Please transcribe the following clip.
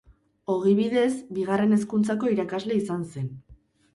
Ogibidez Bigarren Hezkuntzako irakasle izan zen.